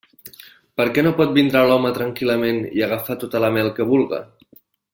Per què no pot vindre l'home tranquil·lament i agafar tota la mel que vulga?